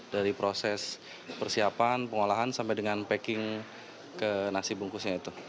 dari proses persiapan pengolahan sampai dengan packing ke nasi bungkusnya itu